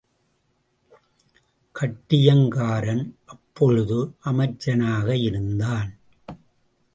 கட்டியங்காரன் அப்பொழுது அமைச்சனாக இருந்தான்.